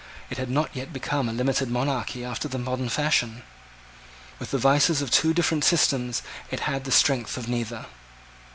It had not yet become a limited monarchy after the modern fashion. With the vices of two different systems it had the strength of neither.